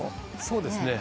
そうですね。